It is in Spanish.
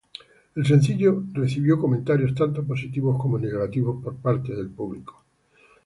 El sencillo recibió comentarios tanto positivos como negativos por parte del público.